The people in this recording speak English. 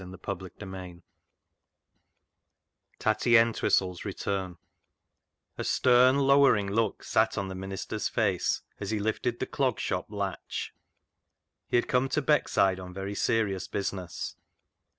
Tatty Entwistle's Return 101 Tatty Entwistle's Return A STERN, lowering look sat on the minister's face as he lifted the Clog Shop latch. He had come to Beckside on very serious busi ness.